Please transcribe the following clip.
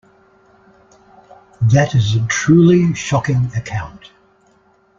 That is a truly shocking account.